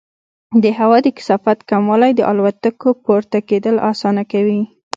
د هوا د کثافت کموالی د الوتکو پورته کېدل اسانه کوي.